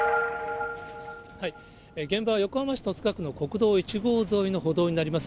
現場は横浜市戸塚区の国道１号沿いの歩道になります。